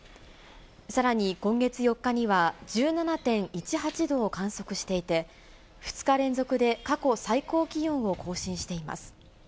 さらに今月４日には、１７．１８度を観測していて、２日連続で過去最高気温を更新しています。